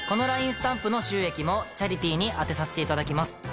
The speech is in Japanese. スタンプの収益もチャリティーに充てさせていただきます。